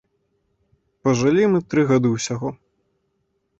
Пажылі мы тры гады ўсяго.